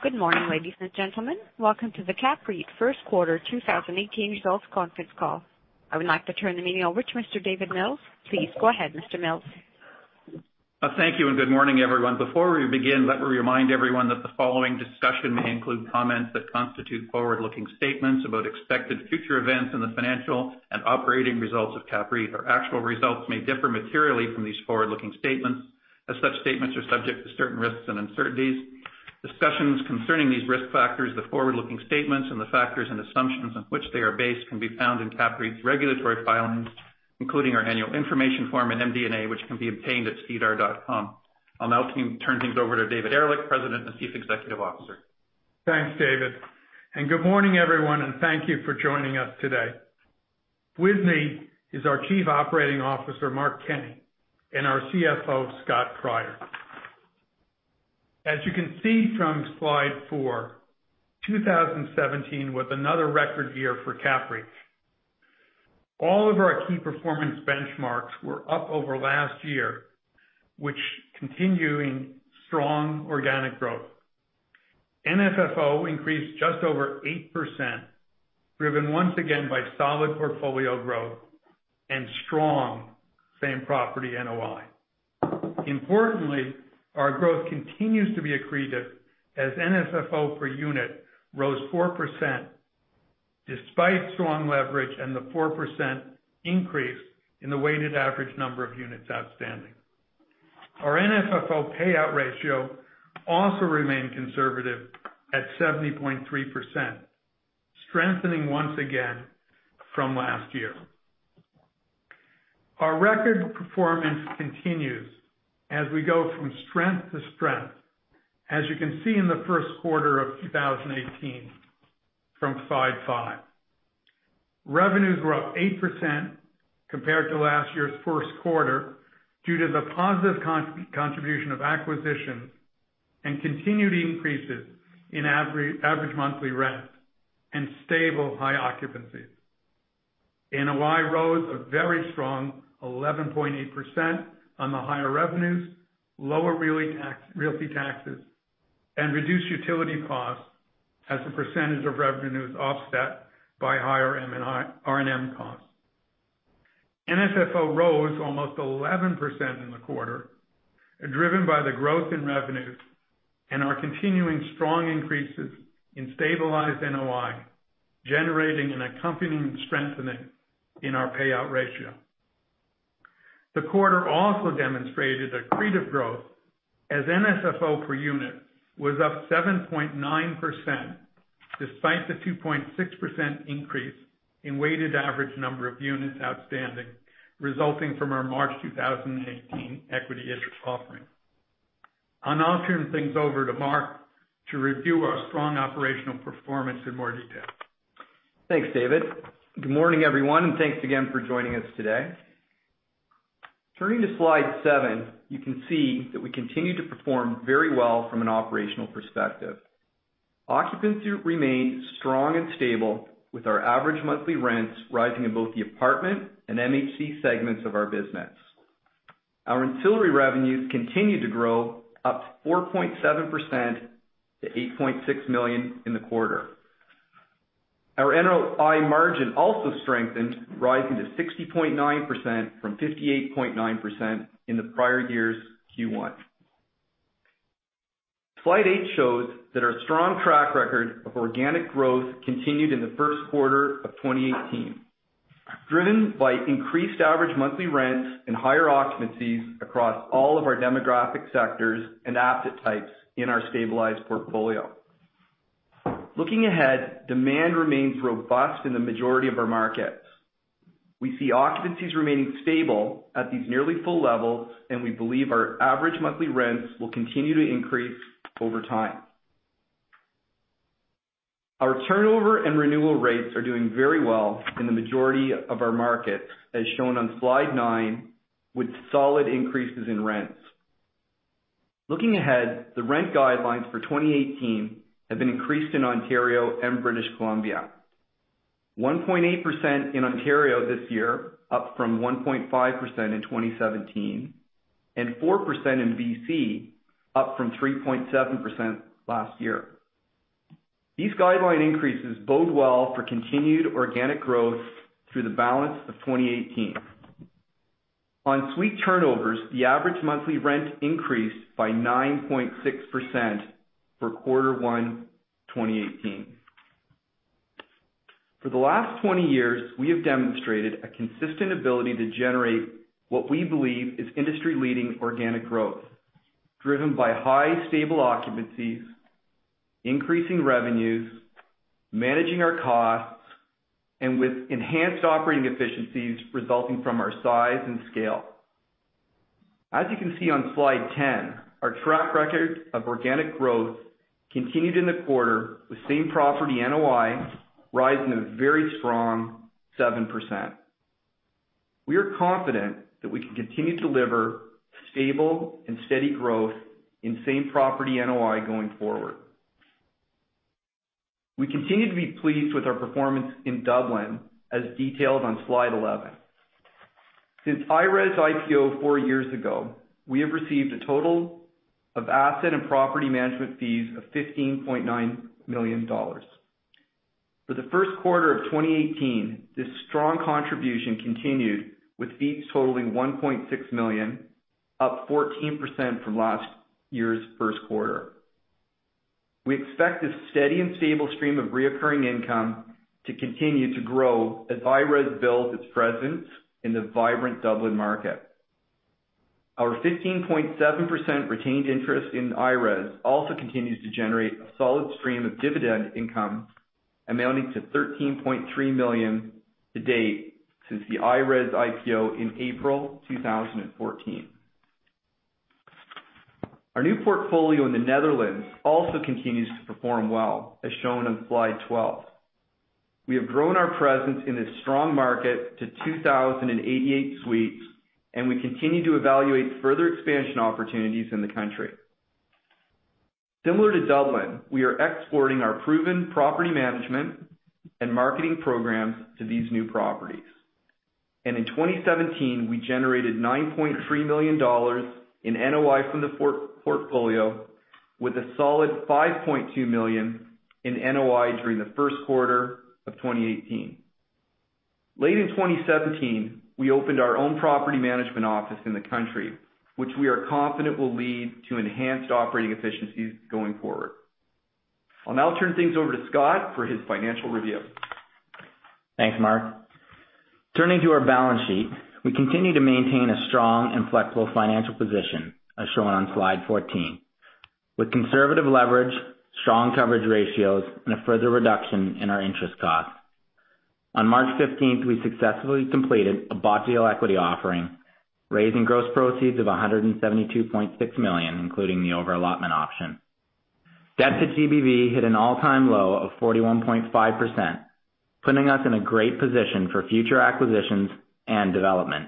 Good morning, ladies and gentlemen. Welcome to the CAPREIT first quarter 2018 results conference call. I would like to turn the meeting over to Mr. David Mills. Please go ahead, Mr. Mills. Thank you. Good morning, everyone. Before we begin, let me remind everyone that the following discussion may include comments that constitute forward-looking statements about expected future events and the financial and operating results of CAPREIT. Our actual results may differ materially from these forward-looking statements, as such statements are subject to certain risks and uncertainties. Discussions concerning these risk factors, the forward-looking statements, and the factors and assumptions on which they are based can be found in CAPREIT's regulatory filings, including our annual information form and MD&A, which can be obtained at sedar.com. I'll now turn things over to David Ehrlich, President and Chief Executive Officer. Thanks, David. Good morning, everyone. Thank you for joining us today. With me is our Chief Operating Officer, Mark Kenney, and our CFO, Scott Cryer. As you can see from slide four, 2017 was another record year for CAPREIT. All of our key performance benchmarks were up over last year, with continuing strong organic growth. NFFO increased just over 8%, driven once again by solid portfolio growth and strong same property NOI. Importantly, our growth continues to be accretive as NFFO per unit rose 4%, despite strong leverage and the 4% increase in the weighted average number of units outstanding. Our NFFO payout ratio also remained conservative at 70.3%, strengthening once again from last year. Our record performance continues as we go from strength to strength, as you can see in the first quarter of 2018 from slide five. Revenues were up 8% compared to last year's first quarter due to the positive contribution of acquisitions and continued increases in average monthly rent and stable high occupancies. NOI rose a very strong 11.8% on the higher revenues, lower realty taxes, and reduced utility costs as a percentage of revenues offset by higher R&M costs. NFFO rose almost 11% in the quarter, driven by the growth in revenues and our continuing strong increases in stabilized NOI, generating an accompanying strengthening in our payout ratio. The quarter also demonstrated accretive growth as NFFO per unit was up 7.9%, despite the 2.6% increase in weighted average number of units outstanding, resulting from our March 2018 equity interest offering. I'll now turn things over to Mark to review our strong operational performance in more detail. Thanks, David. Good morning, everyone, and thanks again for joining us today. Turning to slide seven, you can see that we continue to perform very well from an operational perspective. Occupancy remained strong and stable with our average monthly rents rising in both the apartment and MHC segments of our business. Our ancillary revenues continued to grow up 4.7% to 8.6 million in the quarter. Our NOI margin also strengthened, rising to 60.9% from 58.9% in the prior year's Q1. Slide eight shows that our strong track record of organic growth continued in the first quarter of 2018, driven by increased average monthly rents and higher occupancies across all of our demographic sectors and asset types in our stabilized portfolio. Looking ahead, demand remains robust in the majority of our markets. We see occupancies remaining stable at these nearly full levels, and we believe our average monthly rents will continue to increase over time. Our turnover and renewal rates are doing very well in the majority of our markets, as shown on slide nine, with solid increases in rents. Looking ahead, the rent guidelines for 2018 have been increased in Ontario and British Columbia. 1.8% in Ontario this year, up from 1.5% in 2017, and 4% in BC, up from 3.7% last year. These guideline increases bode well for continued organic growth through the balance of 2018. On suite turnovers, the average monthly rent increased by 9.6% for quarter one 2018. For the last 20 years, we have demonstrated a consistent ability to generate what we believe is industry-leading organic growth driven by high stable occupancies, increasing revenues, managing our costs, and with enhanced operating efficiencies resulting from our size and scale. As you can see on slide 10, our track record of organic growth continued in the quarter with same property NOI rising at a very strong 7%. We are confident that we can continue to deliver stable and steady growth in same property NOI going forward. We continue to be pleased with our performance in Dublin, as detailed on slide 11. Since IRES IPO four years ago, we have received a total of asset and property management fees of 15.9 million dollars. For the first quarter of 2018, this strong contribution continued, with fees totaling 1.6 million, up 14% from last year's first quarter. We expect this steady and stable stream of reoccurring income to continue to grow as IRES builds its presence in the vibrant Dublin market. Our 15.7% retained interest in IRES also continues to generate a solid stream of dividend income amounting to 13.3 million to date since the IRES IPO in April 2014. Our new portfolio in the Netherlands also continues to perform well, as shown on slide 12. We have grown our presence in this strong market to 2,088 suites, and we continue to evaluate further expansion opportunities in the country. Similar to Dublin, we are exporting our proven property management and marketing programs to these new properties. In 2017, we generated 9.3 million dollars in NOI from the portfolio, with a solid 5.2 million in NOI during the first quarter of 2018. Late in 2017, we opened our own property management office in the country, which we are confident will lead to enhanced operating efficiencies going forward. I'll now turn things over to Scott for his financial review. Thanks, Mark. Turning to our balance sheet, we continue to maintain a strong and flexible financial position, as shown on slide 14, with conservative leverage, strong coverage ratios, and a further reduction in our interest costs. On March 15th, we successfully completed a bought deal equity offering, raising gross proceeds of 172.6 million, including the over-allotment option. Debt to GBV hit an all-time low of 41.5%, putting us in a great position for future acquisitions and development.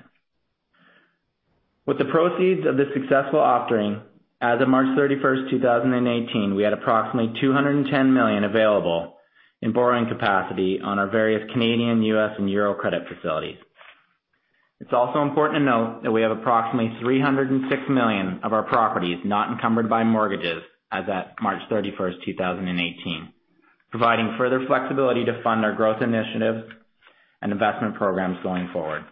With the proceeds of this successful offering, as of March 31st, 2018, we had approximately 210 million available in borrowing capacity on our various Canadian, U.S., and euro credit facilities. It's also important to note that we have approximately 306 million of our properties not encumbered by mortgages as at March 31st, 2018, providing further flexibility to fund our growth initiatives and investment programs going forward.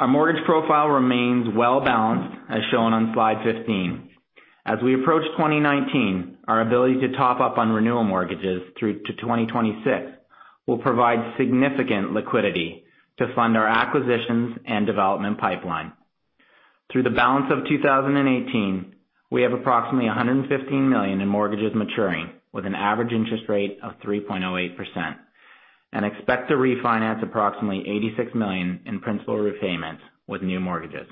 Our mortgage profile remains well-balanced, as shown on slide 15. As we approach 2019, our ability to top up on renewal mortgages through to 2026 will provide significant liquidity to fund our acquisitions and development pipeline. Through the balance of 2018, we have approximately 115 million in mortgages maturing, with an average interest rate of 3.08%, and expect to refinance approximately 86 million in principal repayments with new mortgages.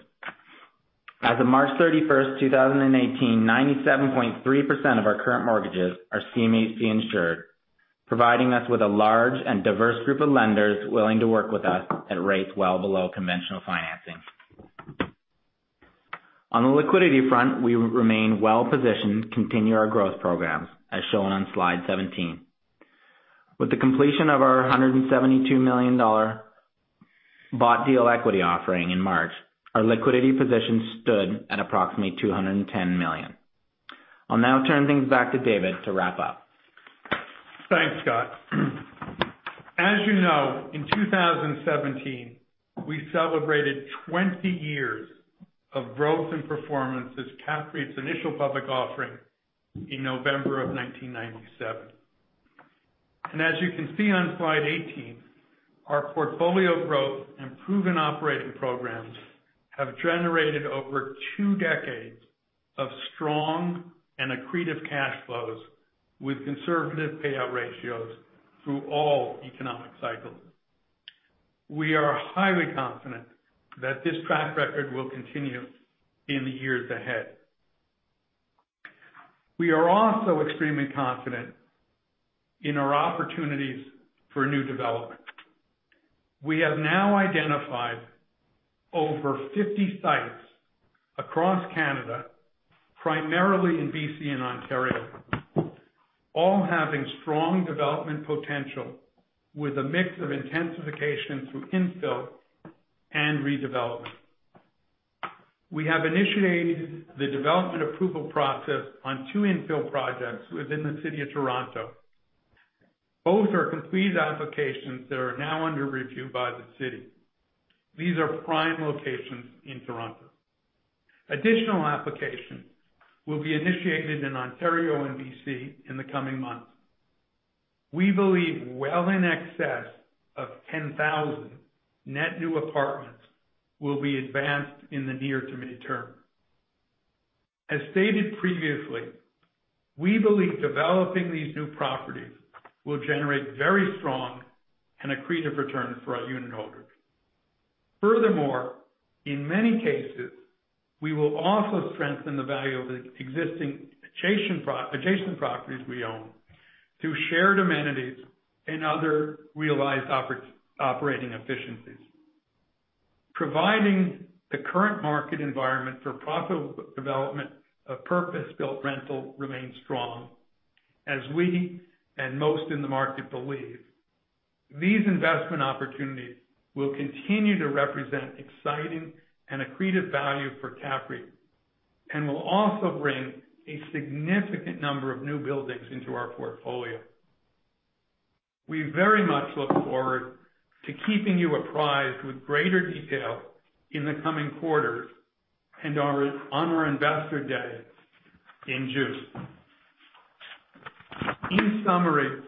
As of March 31st, 2018, 97.3% of our current mortgages are CMHC insured, providing us with a large and diverse group of lenders willing to work with us at rates well below conventional financing. On the liquidity front, we remain well-positioned to continue our growth programs, as shown on slide 17. With the completion of our 172 million dollar bought deal equity offering in March, our liquidity position stood at approximately 210 million. I'll now turn things back to David to wrap up. Thanks, Scott. As you know, in 2017, we celebrated 20 years of growth and performance since CAPREIT's initial public offering in November of 1997. As you can see on slide 18, our portfolio growth and proven operating programs have generated over two decades of strong and accretive cash flows with conservative payout ratios through all economic cycles. We are highly confident that this track record will continue in the years ahead. We are also extremely confident in our opportunities for new development. We have now identified over 50 sites across Canada, primarily in BC and Ontario, all having strong development potential with a mix of intensification through infill and redevelopment. We have initiated the development approval process on two infill projects within the city of Toronto. Both are completed applications that are now under review by the city. These are prime locations in Toronto. Additional applications will be initiated in Ontario and BC in the coming months. We believe well in excess of 10,000 net new apartments will be advanced in the near to mid-term. As stated previously, we believe developing these new properties will generate very strong and accretive returns for our unitholders. In many cases, we will also strengthen the value of the existing adjacent properties we own through shared amenities and other realized operating efficiencies. Providing the current market environment for profitable development of purpose-built rental remains strong, as we and most in the market believe. These investment opportunities will continue to represent exciting and accretive value for CAPREIT, will also bring a significant number of new buildings into our portfolio. We very much look forward to keeping you apprised with greater detail in the coming quarters and on our Investor Day in June. In summary,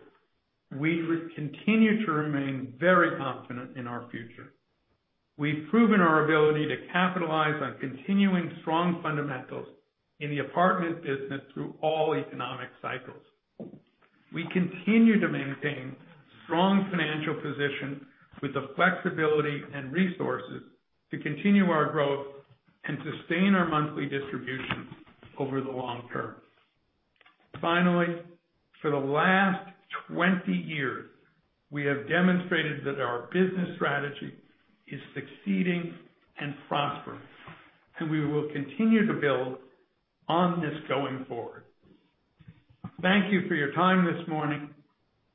we continue to remain very confident in our future. We've proven our ability to capitalize on continuing strong fundamentals in the apartment business through all economic cycles. We continue to maintain strong financial position with the flexibility and resources to continue our growth and sustain our monthly distributions over the long term. For the last 20 years, we have demonstrated that our business strategy is succeeding and prospering, we will continue to build on this going forward. Thank you for your time this morning,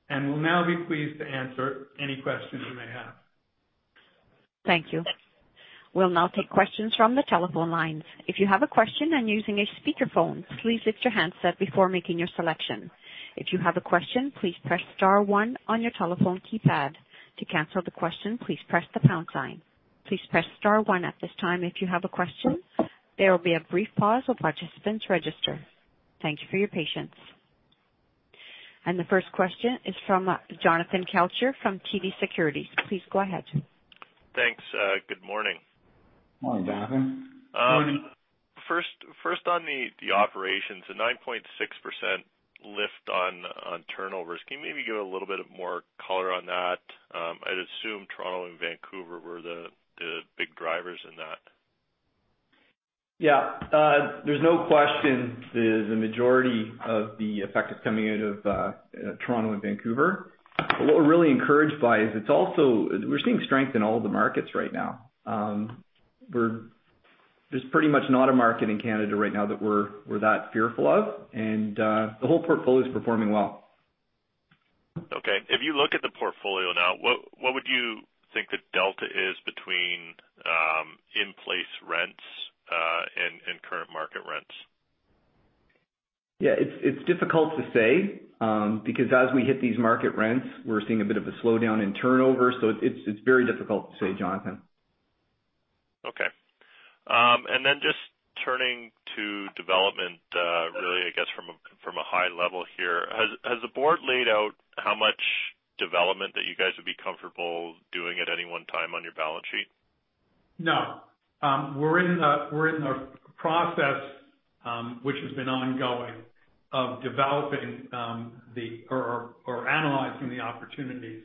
we'll now be pleased to answer any questions you may have. Thank you. We'll now take questions from the telephone lines. If you have a question and using a speakerphone, please lift your handset before making your selection. If you have a question, please press star one on your telephone keypad. To cancel the question, please press the pound sign. Please press star one at this time if you have a question. There will be a brief pause while participants register. Thank you for your patience. The first question is from Jonathan Kelcher from TD Securities. Please go ahead. Thanks. Good morning. Morning, Jonathan. Morning. First on the operations, the 9.6% lift on turnovers. Can you maybe give a little bit of more color on that? I'd assume Toronto and Vancouver were the big drivers in that. Yeah. There's no question the majority of the effect is coming out of Toronto and Vancouver. What we're really encouraged by is we're seeing strength in all of the markets right now. There's pretty much not a market in Canada right now that we're that fearful of, the whole portfolio's performing well. Okay. If you look at the portfolio now, what would you think the delta is between in-place rents and current market rents? Yeah, it's difficult to say, because as we hit these market rents, we're seeing a bit of a slowdown in turnover. It's very difficult to say, Jonathan. Okay. Just turning to development, really, I guess, from a high level here. Has the board laid out how much development that you guys would be comfortable doing at any one time on your balance sheet? No. We're in a process, which has been ongoing, of developing or analyzing the opportunities,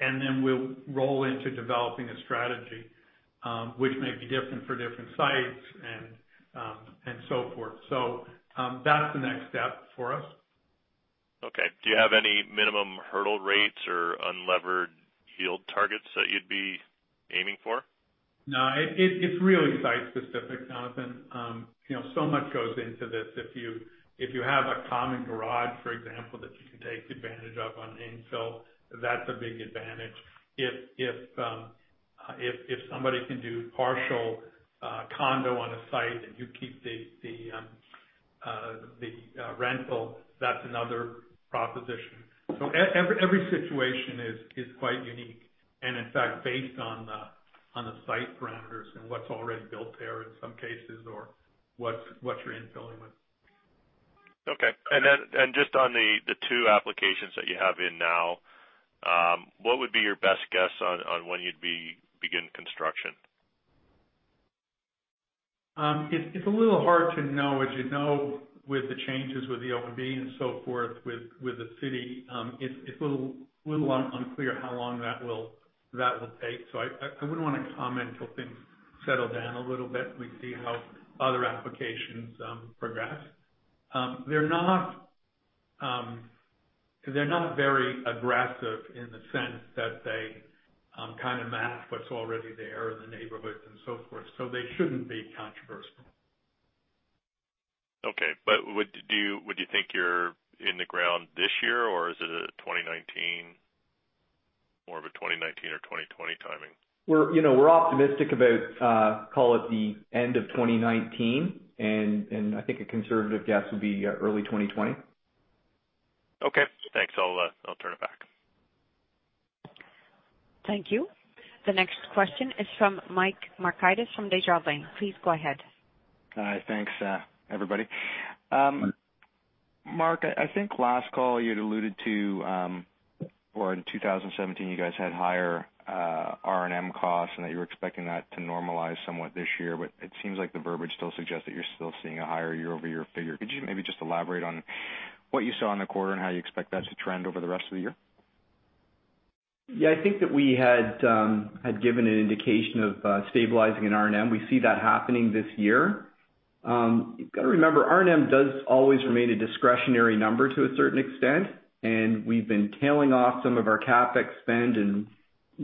and then we'll roll into developing a strategy, which may be different for different sites and so forth. That's the next step for us. Okay. Do you have any minimum hurdle rates or unlevered yield targets that you'd be aiming for? No, it's really site specific, Jonathan. Much goes into this. If you have a common garage, for example, that you can take advantage of on infill, that's a big advantage. If somebody can do partial condo on a site and you keep the rental, that's another proposition. Every situation is quite unique, and in fact, based on the site parameters and what's already built there in some cases or what you're infilling with. Okay. Just on the two applications that you have in now, what would be your best guess on when you'd begin construction? It's a little hard to know. As you know, with the changes with the OMB and so forth with the city, it's a little unclear how long that will take. I wouldn't want to comment until things settle down a little bit, we see how other applications progress. They're not very aggressive in the sense that they kind of match what's already there in the neighborhoods and so forth, so they shouldn't be controversial. Okay. Would you think you're in the ground this year, or is it more of a 2019 or 2020 timing? We're optimistic about, call it the end of 2019, and I think a conservative guess would be early 2020. Okay. Thanks. I'll turn it back. Thank you. The next question is from Mike Markidis from Desjardins. Please go ahead. Hi. Thanks, everybody. Mark, I think last call you'd alluded to, or in 2017, you guys had higher R&M costs, and that you were expecting that to normalize somewhat this year. It seems like the verbiage still suggests that you're still seeing a higher year-over-year figure. Could you maybe just elaborate on what you saw in the quarter and how you expect that to trend over the rest of the year? Yeah, I think that we had given an indication of stabilizing in R&M. We see that happening this year. You've got to remember, R&M does always remain a discretionary number to a certain extent, and we've been tailing off some of our CapEx spend and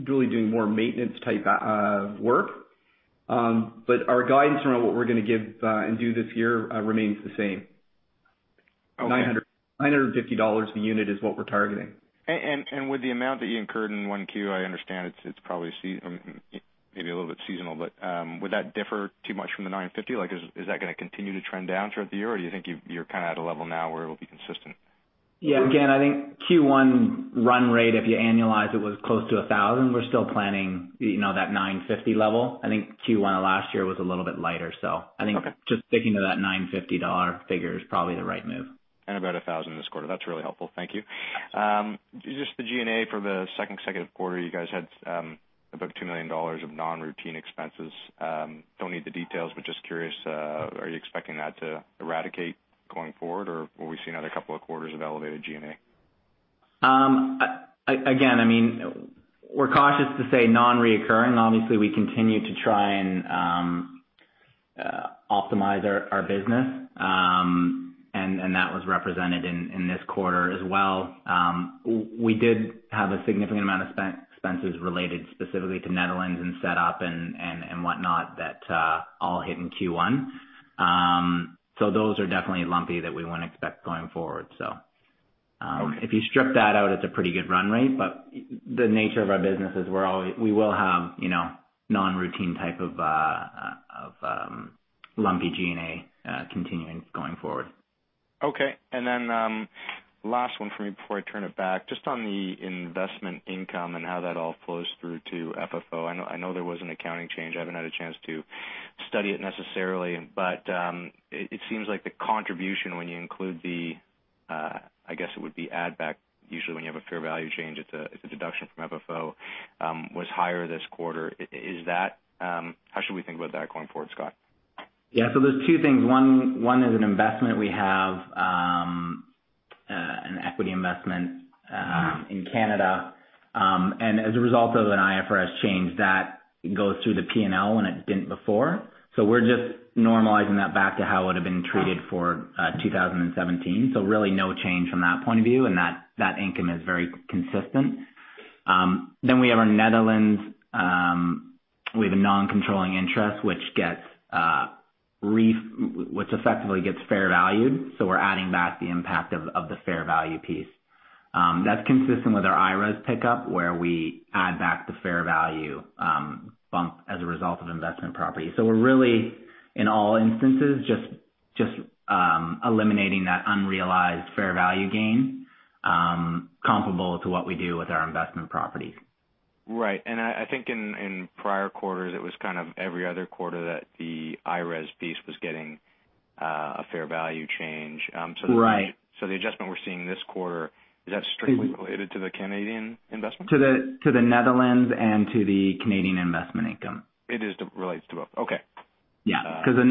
really doing more maintenance type of work. Our guidance around what we're going to give and do this year remains the same. Okay. 950 dollars a unit is what we're targeting. With the amount that you incurred in 1Q, I understand it's probably maybe a little bit seasonal, would that differ too much from the 950? Is that going to continue to trend down throughout the year? You think you're kind of at a level now where it'll be consistent? Yeah. Again, I think Q1 run rate, if you annualize it, was close to 1,000. We're still planning that 950 level. I think Q1 of last year was a little bit lighter. Okay Sticking to that 950 dollar figure is probably the right move. About 1,000 this quarter. That's really helpful. Thank you. Just the G&A for the second quarter, you guys had about 2 million dollars of non-routine expenses. Don't need the details, curious, are you expecting that to abate going forward? Or will we see another couple of quarters of elevated G&A? Again, we're cautious to say non-recurring. Obviously, we continue to try and optimize our business. That was represented in this quarter as well. We did have a significant amount of expenses related specifically to Netherlands and set up and whatnot that all hit in Q1. Those are definitely lumpy that we wouldn't expect going forward. Okay if you strip that out, it's a pretty good run rate. The nature of our business is we will have non-routine type of lumpy G&A continuing going forward. Okay. Last one for me before I turn it back, just on the investment income and how that all flows through to FFO. I know there was an accounting change. I haven't had a chance to study it necessarily. It seems like the contribution when you include the, I guess it would be add back, usually when you have a fair value change, it's a deduction from FFO, was higher this quarter. How should we think about that going forward, Scott? Yeah. There's two things. One is an investment we have, an equity investment- in Canada. As a result of an IFRS change, that goes through the P&L, and it didn't before. We're just normalizing that back to how it would've been treated for 2017. Really no change from that point of view, and that income is very consistent. We have our Netherlands. We have a non-controlling interest, which effectively gets fair valued. We're adding back the impact of the fair value piece. That's consistent with our IRES pickup, where we add back the fair value bump as a result of investment property. We're really, in all instances, just eliminating that unrealized fair value gain, comparable to what we do with our investment property. Right. I think in prior quarters, it was kind of every other quarter that the IRES piece was getting a fair value change. Right. The adjustment we're seeing this quarter, is that strictly related to the Canadian investment? To the Netherlands and to the Canadian investment income. It relates to both. Okay. Yeah. Because the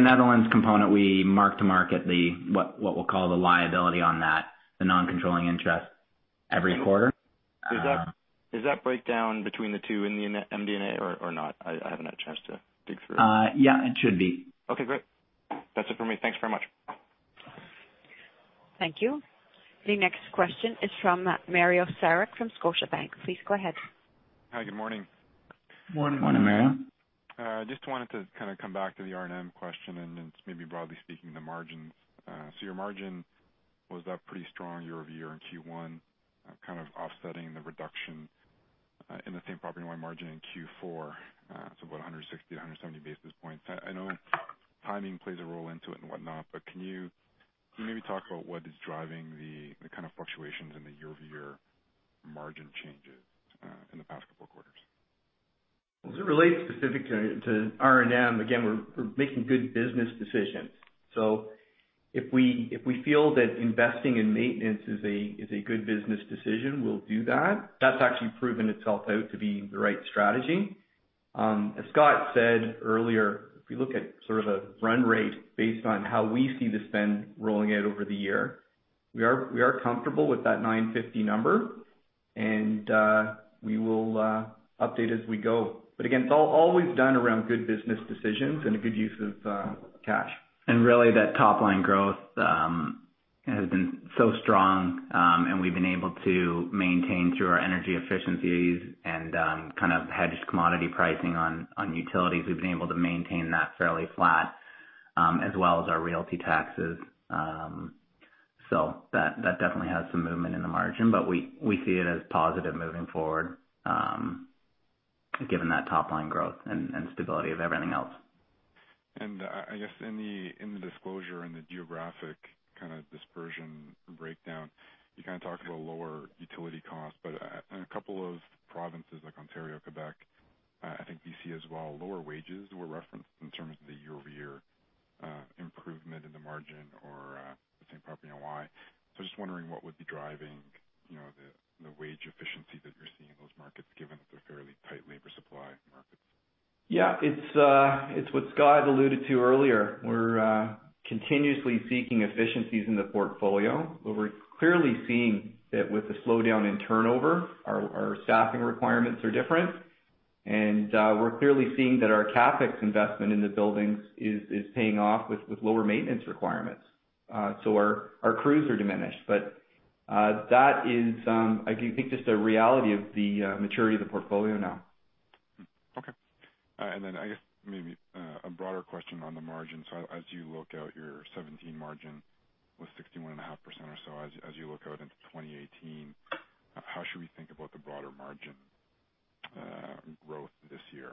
Netherlands component, we mark-to-market, what we'll call the liability on that, the non-controlling interest every quarter. Is that breakdown between the two in the MD&A or not? I haven't had a chance to dig through it. Yeah, it should be. Okay, great. That's it for me. Thanks very much. Thank you. The next question is from Mario Saric from Scotiabank. Please go ahead. Hi, good morning. Morning. Morning, Mario. Just wanted to kind of come back to the R&M question and then maybe broadly speaking, the margins. Your margin was up pretty strong year-over-year in Q1, kind of offsetting the reduction in the same property NOI margin in Q4. About 160-170 basis points. I know timing plays a role into it and whatnot, but can you maybe talk about what is driving the kind of fluctuations in the year-over-year margin changes in the past couple of quarters? As it relates specific to R&M, again, we're making good business decisions. If we feel that investing in maintenance is a good business decision, we'll do that. That's actually proven itself out to be the right strategy. As Scott said earlier, if we look at sort of the run rate based on how we see the spend rolling out over the year, we are comfortable with that 950 number, and we will update as we go. Again, it's always done around good business decisions and a good use of cash. Really that top-line growth has been so strong, and we've been able to maintain through our energy efficiencies and kind of hedged commodity pricing on utilities. We've been able to maintain that fairly flat, as well as our realty taxes. That definitely has some movement in the margin, but we see it as positive moving forward, given that top-line growth and stability of everything else. I guess in the disclosure, in the geographic kind of dispersion breakdown, you kind of talked about lower utility costs, but in a couple of provinces like Ontario, Quebec, I think B.C. as well, lower wages were referenced in terms of the year-over-year improvement in the margin or the same property NOI. Just wondering what would be driving the wage efficiency that you're seeing in those markets, given that they're fairly tight labor supply markets. It's what Scott alluded to earlier. Continuously seeking efficiencies in the portfolio. We're clearly seeing that with the slowdown in turnover, our staffing requirements are different, and we're clearly seeing that our CapEx investment in the buildings is paying off with lower maintenance requirements. Our crews are diminished. That is, I think, just a reality of the maturity of the portfolio now. Okay. I guess maybe a broader question on the margin. As you look out, your 2017 margin was 61.5% or so. As you look out into 2018, how should we think about the broader margin growth this year?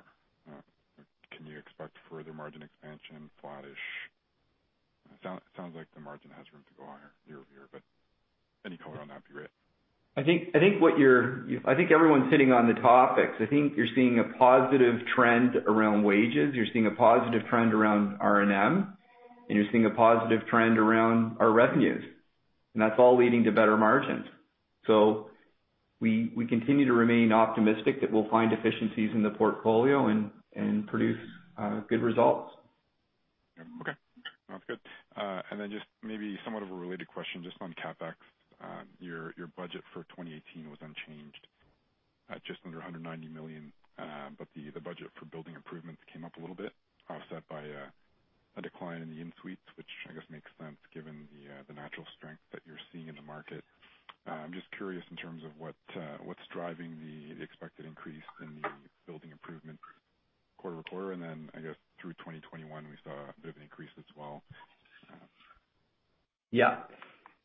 Can you expect further margin expansion, flat-ish? It sounds like the margin has room to go higher year-over-year, any color on that'd be great. I think everyone's hitting on the topics. I think you're seeing a positive trend around wages. You're seeing a positive trend around R&M, you're seeing a positive trend around our revenues, and that's all leading to better margins. We continue to remain optimistic that we'll find efficiencies in the portfolio and produce good results. Okay. No, that's good. Just maybe somewhat of a related question just on CapEx. Your budget for 2018 was unchanged at just under 190 million. The budget for building improvements came up a little bit, offset by a decline in the in-suites, which I guess makes sense given the natural strength that you're seeing in the market. I'm just curious in terms of what's driving the expected increase in the building improvement quarter-over-quarter, and then I guess through 2021, we saw a bit of an increase as well. Yeah.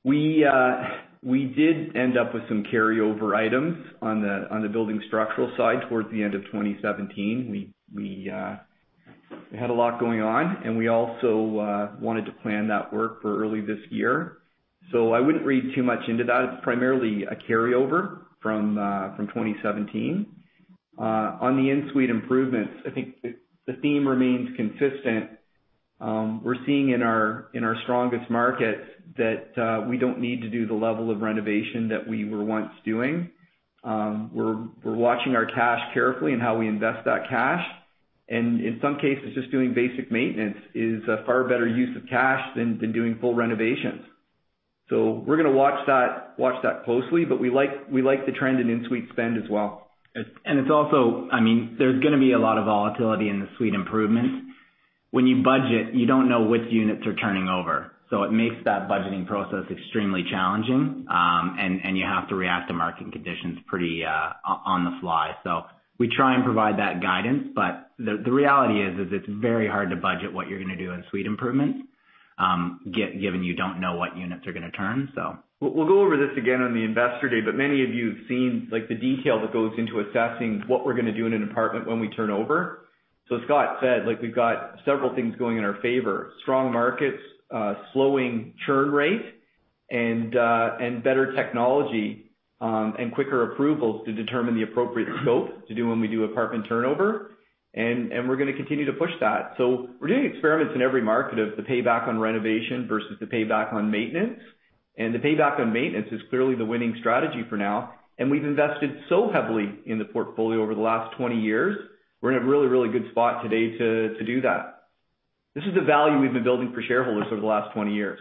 We did end up with some carryover items on the building structural side towards the end of 2017. We had a lot going on, we also wanted to plan that work for early this year. I wouldn't read too much into that. It's primarily a carryover from 2017. On the in-suite improvements, I think the theme remains consistent. We're seeing in our strongest markets that we don't need to do the level of renovation that we were once doing. We're watching our cash carefully and how we invest that cash. In some cases, just doing basic maintenance is a far better use of cash than doing full renovations. We're going to watch that closely, we like the trend in in-suite spend as well. It's also there's going to be a lot of volatility in the suite improvements. When you budget, you don't know which units are turning over, so it makes that budgeting process extremely challenging. You have to react to market conditions pretty on the fly. We try and provide that guidance, but the reality is, it's very hard to budget what you're going to do in suite improvements given you don't know what units are going to turn, so. We'll go over this again on the investor day, but many of you have seen the detail that goes into assessing what we're going to do in an apartment when we turn over. As Scott said, we've got several things going in our favor. Strong markets, slowing churn rate, and better technology, and quicker approvals to determine the appropriate scope to do when we do apartment turnover. We're going to continue to push that. We're doing experiments in every market of the payback on renovation versus the payback on maintenance. The payback on maintenance is clearly the winning strategy for now. We've invested so heavily in the portfolio over the last 20 years. We're in a really, really good spot today to do that. This is the value we've been building for shareholders over the last 20 years.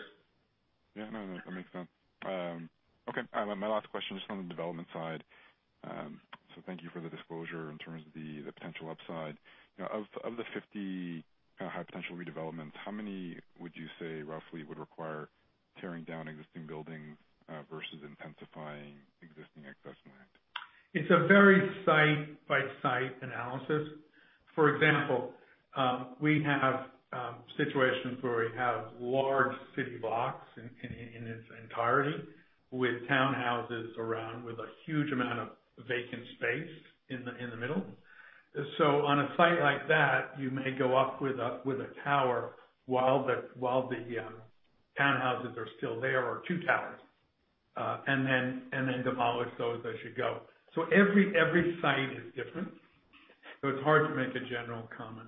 Yeah, no, that makes sense. Okay. My last question is on the development side. Thank you for the disclosure in terms of the potential upside. Of the 50 high-potential redevelopments, how many would you say roughly would require tearing down existing buildings versus intensifying existing excess land? It's a very site-by-site analysis. For example, we have situations where we have large city blocks in its entirety with townhouses around, with a huge amount of vacant space in the middle. On a site like that, you may go up with a tower while the townhouses are still there, or two towers, and then demolish those as you go. Every site is different, so it's hard to make a general comment.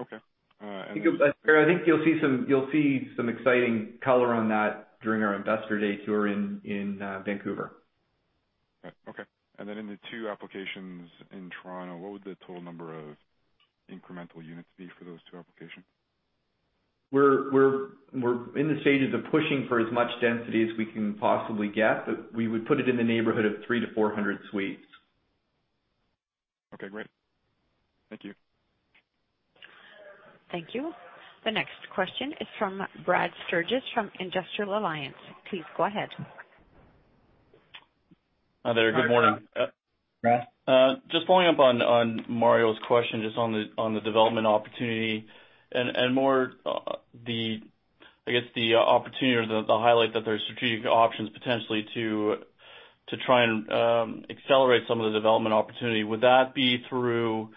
Okay. I think you'll see some exciting color on that during our investor day tour in Vancouver. Right. Okay. In the two applications in Toronto, what would the total number of incremental units be for those two applications? We're in the stages of pushing for as much density as we can possibly get. We would put it in the neighborhood of 300 to 400 suites. Okay, great. Thank you. Thank you. The next question is from Brad Sturges from Industrial Alliance. Please go ahead. Hi there. Good morning. Hi, Brad. Brad. Just following up on Mario's question, just on the I guess, the opportunity or the highlight that there's strategic options potentially to try and accelerate some of the development opportunity. Would that be through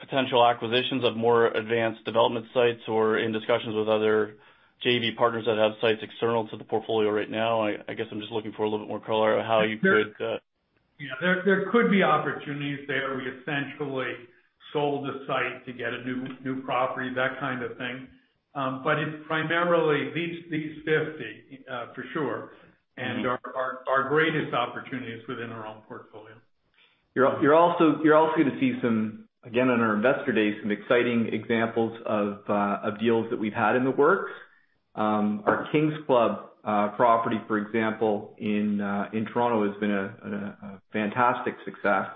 potential acquisitions of more advanced development sites or in discussions with other JV partners that have sites external to the portfolio right now? I guess I'm just looking for a little bit more color on how you could- Yeah. There could be opportunities there. We essentially sold a site to get a new property, that kind of thing. It primarily, these 50 for sure. Our greatest opportunity is within our own portfolio. You're also going to see some, again, on our investor day, some exciting examples of deals that we've had in the works. Our Kings Club property, for example, in Toronto has been a fantastic success.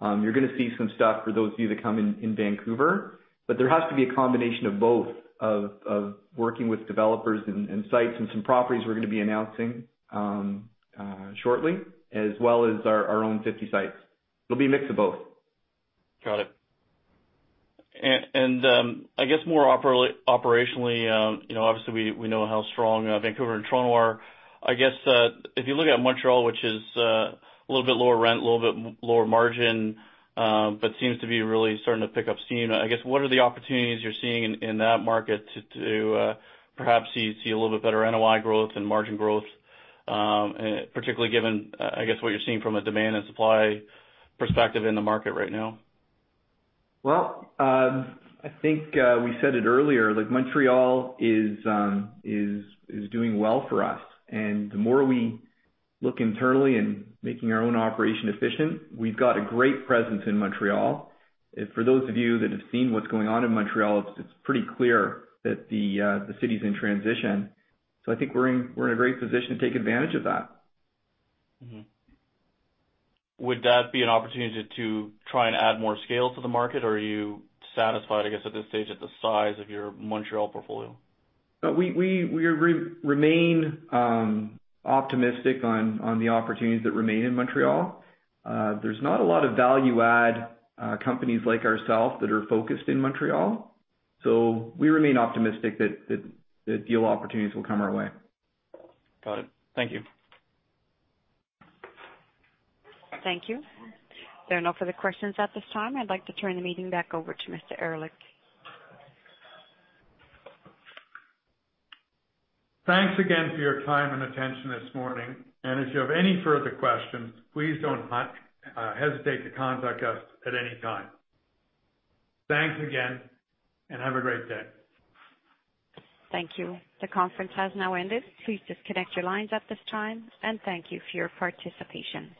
You're going to see some stuff for those of you that come in Vancouver, there has to be a combination of both of working with developers and sites and some properties we're going to be announcing shortly, as well as our own 50 sites. It'll be a mix of both. Got it. I guess more operationally, obviously, we know how strong Vancouver and Toronto are. I guess, if you look at Montreal, which is a little bit lower rent, a little bit lower margin, but seems to be really starting to pick up steam, I guess, what are the opportunities you're seeing in that market to perhaps see a little bit better NOI growth and margin growth, particularly given, I guess, what you're seeing from a demand and supply perspective in the market right now? Well, I think we said it earlier, Montreal is doing well for us. The more we look internally and making our own operation efficient, we've got a great presence in Montreal. For those of you that have seen what's going on in Montreal, it's pretty clear that the city's in transition. I think we're in a great position to take advantage of that. Mm-hmm. Would that be an opportunity to try and add more scale to the market? Are you satisfied, I guess, at this stage at the size of your Montreal portfolio? We remain optimistic on the opportunities that remain in Montreal. There's not a lot of value-add companies like ourselves that are focused in Montreal. We remain optimistic that deal opportunities will come our way. Got it. Thank you. Thank you. There are no further questions at this time. I'd like to turn the meeting back over to Mr. Ehrlich. Thanks again for your time and attention this morning. If you have any further questions, please don't hesitate to contact us at any time. Thanks again, and have a great day. Thank you. The conference has now ended. Please disconnect your lines at this time, and thank you for your participation.